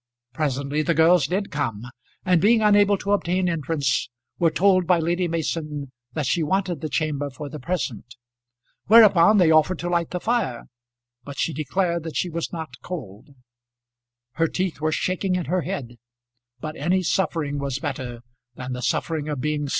Presently the girls did come, and being unable to obtain entrance were told by Lady Mason that she wanted the chamber for the present. Whereupon they offered to light the fire, but she declared that she was not cold. Her teeth were shaking in her head, but any suffering was better than the suffering of being seen.